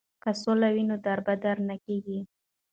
که سوله وي نو دربدره نه کیږي.